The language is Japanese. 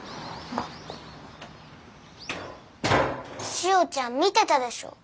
しおちゃん見てたでしょ？